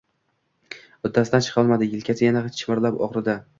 Uddasidan chiqolmadi — yelkasi yana chimillab og‘ridi.